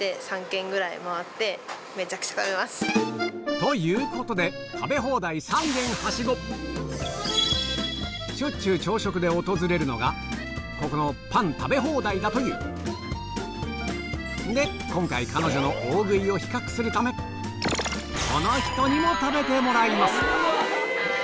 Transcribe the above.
ということでしょっちゅう朝食で訪れるのがここのパン食べ放題だというで今回彼女のこの人にも食べてもらいます